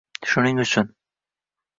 Shuning uchun